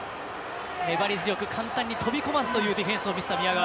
粘り強く簡単に飛び込まずというディフェンスの宮川。